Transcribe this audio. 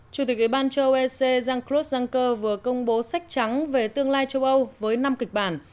chủ tịch ủy ban châu âu ec jean claude juncker vừa công bố sách trắng về tương lai châu âu với năm kịch bản